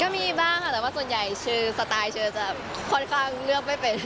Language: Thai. ก็มีบ้างค่ะแต่ว่าส่วนใหญ่ชื่อสไตล์เชลจะค่อนข้างเลือกไม่เป็น